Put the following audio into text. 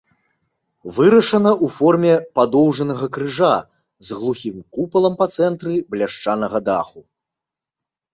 Вырашана ў форме падоўжнага крыжа з глухім купалам па цэнтры бляшанага даху.